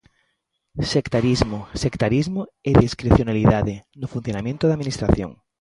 Sectarismo, sectarismo e discrecionalidade no funcionamento da Administración.